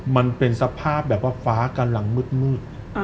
มันเป็นสภาพแบบว่าฟ้ากำลังมืด